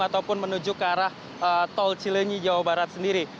ataupun menuju ke arah tol cilenyi jawa barat sendiri